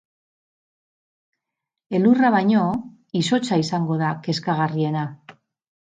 Elurra baino, izotza izango da kezkagarriena.